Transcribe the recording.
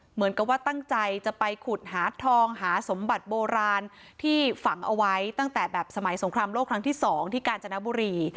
เหมือนกับว่าตั้งใจจะไปขุดหาทองหาสมบัติโบราณที่ฝังเอาไว้ตั้งแต่แบบสมัยสงครามโลกครั้งที่๒ที่กาญจนบุรี